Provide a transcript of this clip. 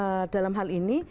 ya dalam hal ini